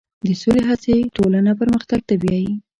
د سولې هڅې ټولنه پرمختګ ته بیایي.